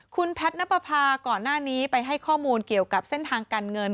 คุณแพทย์นับประพาก่อนหน้านี้ไปให้ข้อมูลเกี่ยวกับเส้นทางการเงิน